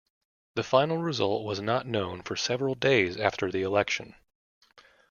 The final result was not known for several days after the election.